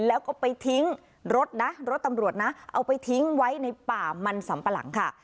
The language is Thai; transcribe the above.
แล้วก็ไปทิ้งรถนะรถตำรวจนะเอาไปทิ้งไว้ในป่ามันสำปะหลังค่ะ